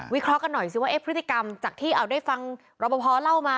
เคราะห์กันหน่อยสิว่าพฤติกรรมจากที่เอาได้ฟังรอปภเล่ามา